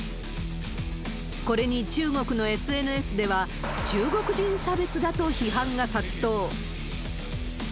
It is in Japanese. これに中国のＳＮＳでは、中国人差別だと批判が殺到。